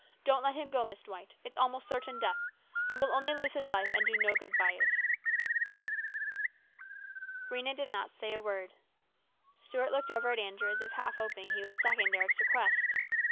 Don't let him go, Miss Dwight. It's almost certain death. He will only lose his life and do no good by it." Rhena did not say a word. Stuart looked over at Andrew as if half hoping he would second Eric's request.